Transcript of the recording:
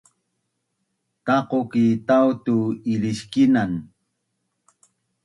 Tuqa ki tau tu iliskinan